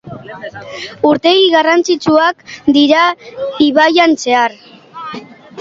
Urtegi garrantzitsuak dira ibaian zehar.